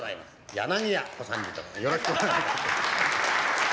よろしくお願いします。